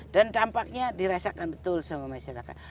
dan dampaknya dirasakan betul sama masyarakat